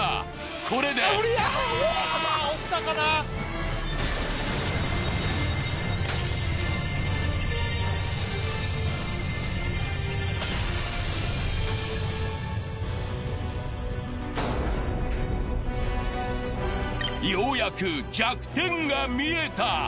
これでようやく弱点が見えた。